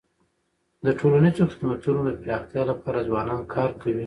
د ټولنیزو خدمتونو د پراختیا لپاره ځوانان کار کوي.